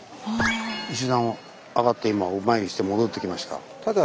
石段を上がって今お参りして戻ってきました。